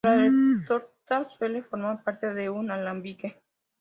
La retorta suele formar parte de un alambique.